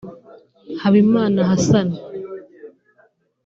Habimana Hassan